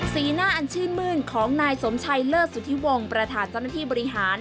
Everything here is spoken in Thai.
สีหน้าอันชื่นมื้นของนายสมชัยเลิศสุธิวงศ์ประธานเจ้าหน้าที่บริหาร